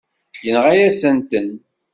Yenɣa-yasent-ten.